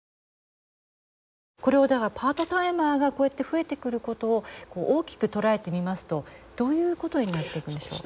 これはだからパートタイマーがこうやって増えてくることを大きく捉えてみますとどういうことになっていくんでしょう。